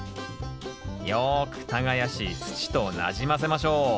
よく耕し土となじませましょう。